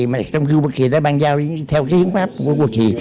mà trong khi quốc kỳ đã ban giao theo cái hướng pháp của quốc kỳ